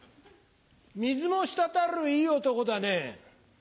水も滴るいい男だね。